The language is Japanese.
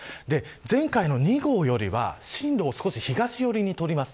前回の２号よりは進路を少し東寄りにとります。